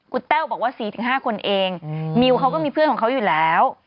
คุณแต้วบอกว่า๔๕คนเองมิวเขาก็มีเพื่อนของเขาอยู่แล้ว